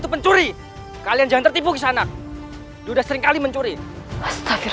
ada apa ini kenapa kalian ingin memukul ibu cahili